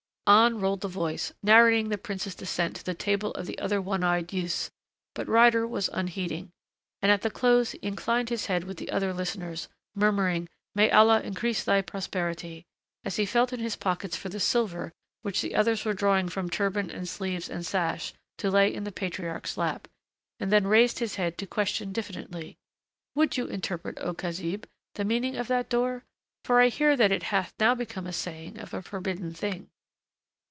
On rolled the voice, narrating the prince's descent to the table of the other one eyed youths, but Ryder was unheeding. And at the close he inclined his head with the other listeners, murmuring "May Allah increase thy prosperity," as he felt in his pockets for the silver which the others were drawing from turban and sleeves and sash to lay in the patriarch's lap, and then raised his head to question diffidently, "Would you interpret, O Khazib, the meaning of that door? For I hear that it hath now become a saying of a forbidden thing."